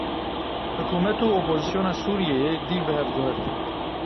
Hikûmet û opozisyona Sûriyeyê dîl bi hev guhertin.